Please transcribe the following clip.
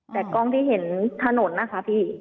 แต่กล้องที่เห็นถนนนะคะพี่